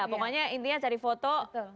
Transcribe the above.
pokoknya intinya cari foto